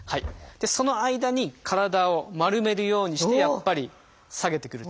その間に体を丸めるようにして下げてくると。